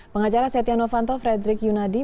pengacara setia novanto frederick yunadi